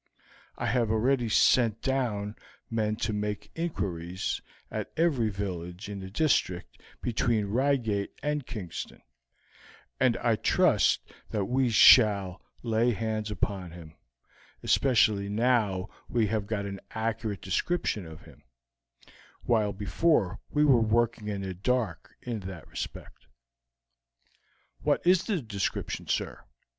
I have already sent down men to make inquiries at every village in the district between Reigate and Kingston, and I trust that we shall lay hands on him, especially now we have got an accurate description of him, while before we were working in the dark in that respect." "What is the description, sir?